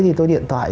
thì tôi điện thoại